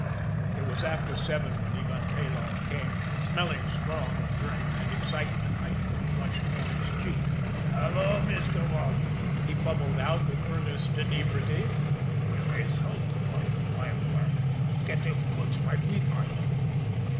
It was after seven when Ivan Peloff came smelling strong of drink, and excitement heightening the flush upon his cheek. "Hello, Meester Walton!" he bubbled out with earnest inebriety. "We rise hell to night by an' by. Get him goods by midnight."